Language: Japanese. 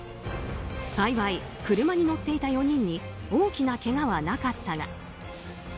幸い車に乗っていた４人に大きなけがはなかったが。